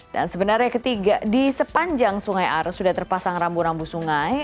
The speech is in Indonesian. dan sebenarnya ketiga di sepanjang sungai are sudah terpasang rambu rambu sungai